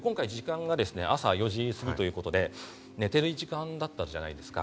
今回、時間が朝４時過ぎ、寝てる時間だったじゃないですか？